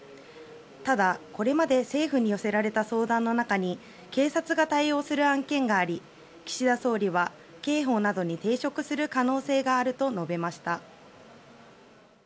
ただ、これまで政府に寄せられた相談の中に警察が対応する案件があり岸田総理は刑法などに抵触する可能性があると述べました。